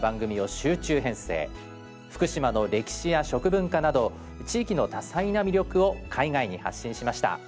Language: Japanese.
福島の歴史や食文化など地域の多彩な魅力を海外に発信しました。